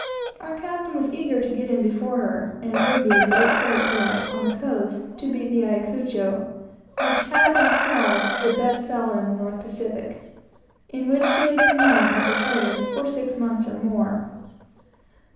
Our captain was anxious to get in before her, for it would be a great credit to us, on the coast, to beat the Ayacucho, which had been called the best sailer in the North Pacific, in which she had been known as a trader for six years or more.